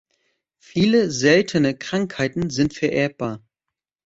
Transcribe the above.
Viele seltene Krankheiten sind vererbbar.